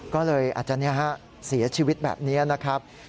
ก็เลยอาจจะเสียชีวิตแบบนี้นะครับ